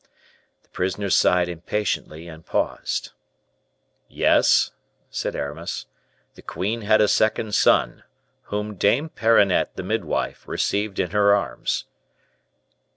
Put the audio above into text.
The prisoner sighed impatiently, and paused. "Yes," said Aramis, "the queen had a second son, whom Dame Perronnette, the midwife, received in her arms."